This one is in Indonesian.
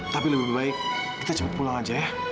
tapi lebih baik kita cepat pulang aja ya